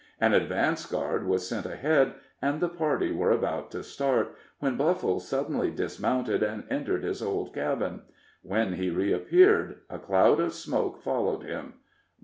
An advance guard was sent ahead, and the party were about to start, when Buffle suddenly dismounted and entered his old cabin; when he reappeared, a cloud of smoke followed him.